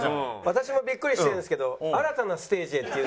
私もビックリしてるんですけど新たなステージへっていう。